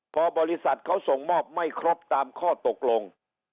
พอบริษัทเขาส่งมอบไม่ครบตามข้อตกลง